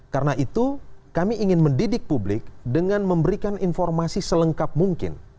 karena itu kami ingin mendidik publik dengan memberikan informasi selengkap mungkin